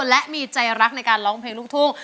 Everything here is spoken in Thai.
และมีใจรักในการร้องเพลงลูกทุ่ง